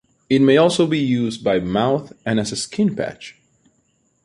It may also be used by mouth and as a skin patch.